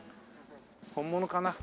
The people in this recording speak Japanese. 本物かな。